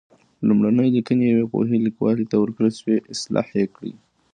لومړني لیکنې یوې پوهې لیکوال ته ورکړئ چې اصلاح یې کړي.